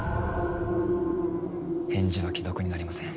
返事は既読になりません